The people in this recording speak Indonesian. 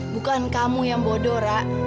bukan kamu yang bodoh